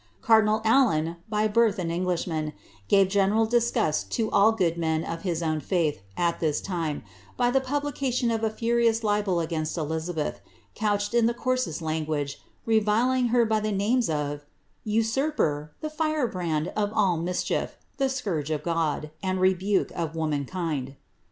Cardinal Allen, by birth an Englishman, gave general disgust to all good men of his own faith) at this time, by the publication of a furious libel against Elizabeth, couched in the coarsest language, reviling her by the names of ^ usurper, the firebrand of all mischief, the scourge of God, and rebuke of woman kind."